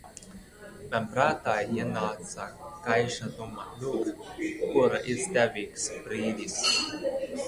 Man prātā ienāca gaiša doma: lūk, kur izdevīgs brīdis!